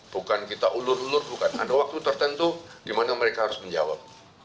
bukan kita ulur ulur bukan ada waktu tertentu di mana mereka harus menjawab